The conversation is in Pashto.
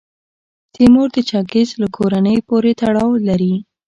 تیمور د چنګیز له کورنۍ پورې تړاو لري.